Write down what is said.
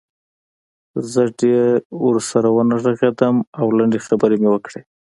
زه ډېر ورسره ونه غږېدم او لنډې خبرې مې وکړې